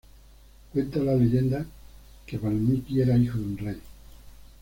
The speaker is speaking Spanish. Cuenta la leyenda que Valmiki era hijo de un rey.